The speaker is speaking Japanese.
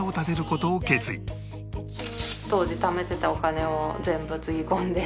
当時ためてたお金を全部つぎ込んで。